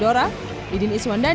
saya pikir itu luar biasa